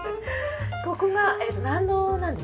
ここが納戸なんですね